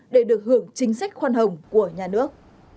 để được hưởng chính sách khoan hồng của nhà nước